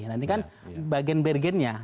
ini kan bagian bergennya